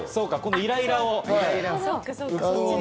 イライラをね。